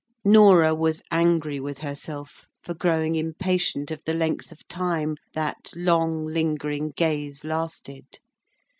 Norah was angry with herself for growing impatient of the length of time that long lingering gaze lasted.